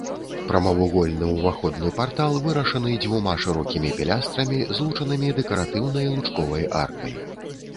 Прамавугольны ўваходны партал вырашаны дзвюма шырокімі пілястрамі, злучанымі дэкаратыўнай лучковай аркай.